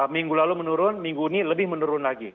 minggu lalu menurun minggu ini lebih menurun lagi